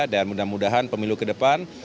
dan mudah mudahan pemilu ke depan